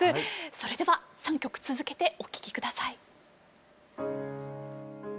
それでは３曲続けてお聴き下さい。